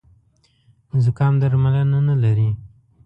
زوکام درملنه نه لري